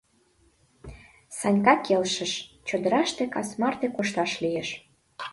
Санька келшыш — чодыраште кас марте кошташ лиеш.